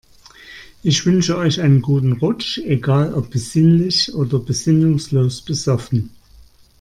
Ich wünsche euch einen guten Rutsch, egal ob besinnlich oder besinnungslos besoffen.